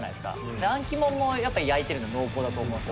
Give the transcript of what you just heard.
あん肝もやっぱ焼いてるので濃厚だと思うんですよ